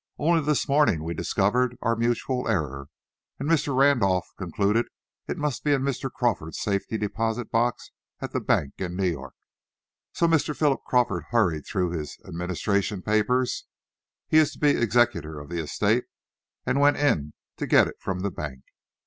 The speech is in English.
Only this morning we discovered our mutual error, and Mr. Randolph concluded it must be in Mr. Crawford's safety deposit box at the bank in New York. So Mr. Philip Crawford hurried through his administration papers he is to be executor of the estate and went in to get it from the bank.